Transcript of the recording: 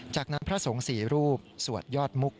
จากนั้นพระสงสี่รูปศูอาตมกฎ